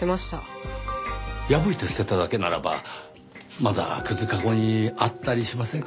破いて捨てただけならばまだくずかごにあったりしませんかね？